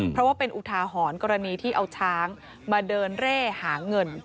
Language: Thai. เพราะว่าเป็นอุทาหรณ์กรณีที่เอาช้างมาเดินเร่หาเงิน